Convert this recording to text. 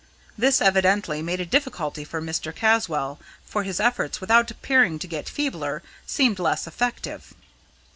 This evidently made a difficulty for Mr. Caswall, for his efforts, without appearing to get feebler, seemed less effective.